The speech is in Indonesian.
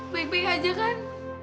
baik baik aja kan